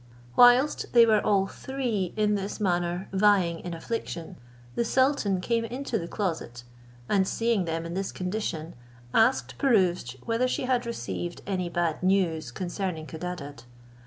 Whilst they were all three in this manner vying in affliction, the sultan came into the closet, and seeing them in this condition, asked Pirouzč whether she had received any bad news concerning Codadad?